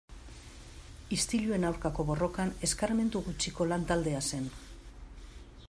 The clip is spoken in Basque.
Istiluen aurkako borrokan eskarmentu gutxiko lan-taldea zen.